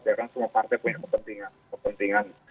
karena semua partai punya kepentingan